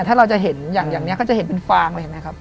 ถ้าเราจะเห็นอย่างนี้ก็จะเห็นเป็นฟางเลยเห็นไหมครับ